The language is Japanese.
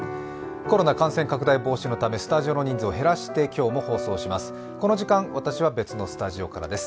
コロナ感染拡大防止のため、スタジオの人数を減らして今日も放送します。